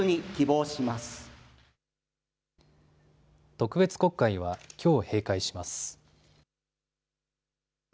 特別国会は、きょう閉会します。